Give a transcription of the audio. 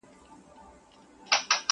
جاله هم سوله پر خپل لوري روانه!!